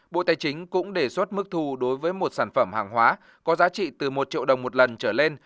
bộ tài chính cũng đề xuất mức thu đối với một sản phẩm hàng hóa có giá trị từ một triệu đồng một lần trở lên